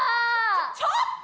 ちょっと！